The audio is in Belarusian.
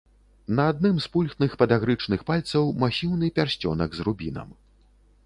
На адным з пульхных падагрычных пальцаў масіўны пярсцёнак з рубінам.